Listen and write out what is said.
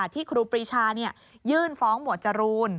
ครูปรีชายื่นฟ้องหมวดจรูน